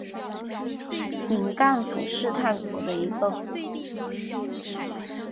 汶干府是泰国的一个府。